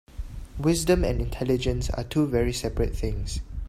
Wisdom and intelligence are two very separate things.